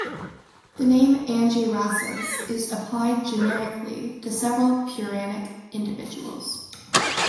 The name Angirasas is applied generically to several Puranic individuals.